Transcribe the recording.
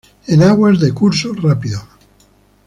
En aguas de curso rápido.